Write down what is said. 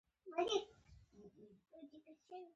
جمال خان په طنز وویل چې درې وظیفې کوې او ویې خندل